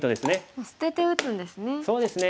もう捨てて打つんですね。